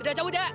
udah cabut ya